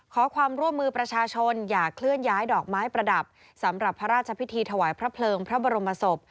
ขอความร่วมมือประชาชนอย่าเคลื่อนย้ายดอกไม้ประดับสำหรับพระราชพิธีถวายพระเพลิงพระบรมศพ